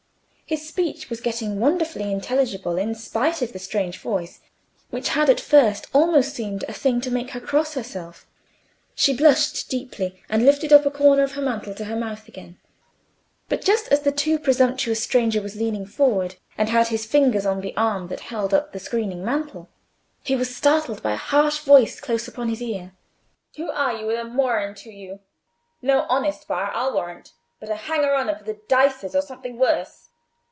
His speech was getting wonderfully intelligible in spite of the strange voice, which had at first almost seemed a thing to make her cross herself. She blushed deeply, and lifted up a corner of her mantle to her mouth again. But just as the too presumptuous stranger was leaning forward, and had his fingers on the arm that held up the screening mantle, he was startled by a harsh voice close upon his ear. "Who are you—with a murrain to you? No honest buyer, I'll warrant, but a hanger on of the dicers—or something worse.